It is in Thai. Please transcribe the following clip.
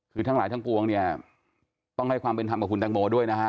คือทั้งหลายทั้งปวงเนี่ยต้องให้ความเป็นธรรมกับคุณตังโมด้วยนะฮะ